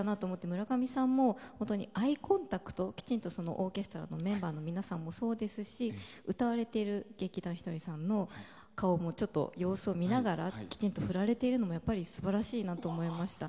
村上さんもアイコンタクトをきちんとオーケストラのメンバーの皆さんもそうですし歌われている劇団ひとりさんの顔様子をみながらきちんと振られているのも素晴らしいなと思いました。